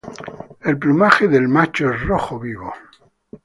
El plumaje del macho es rojo vivo.